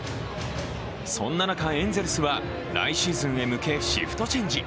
そんな中、エンゼルスは来シーズンへ向けシフトチェンジ。